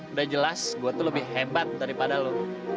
udah jelas gue tuh lebih hebat daripada lo